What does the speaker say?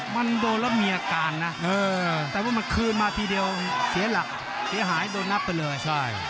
มันโดนแล้วมีอาการนะแต่ว่ามันคืนมาทีเดียวเสียหลักเสียหายโดนนับไปเลยใช่